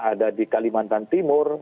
ada di kalimantan timur